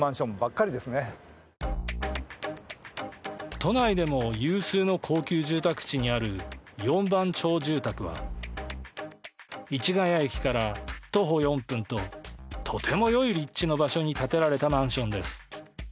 都内でも有数の高級住宅地にある四番町住宅は市ヶ谷駅から徒歩４分ととてもよい立地の場所に建てられたマンションです。